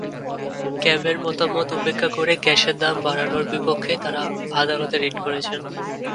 ক্যাবের মতামত উপেক্ষা করে গ্যাসের দাম বাড়ানোর বিপক্ষে তাঁরা আদালতে রিট করেছেন।